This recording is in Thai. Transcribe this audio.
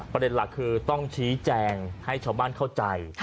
ประเด็นหลักคือต้องชี้แจงให้ชาวบ้านเข้าใจ